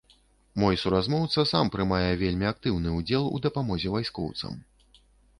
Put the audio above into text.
Мой суразмоўца сам прымае вельмі актыўны ўдзел у дапамозе вайскоўцам.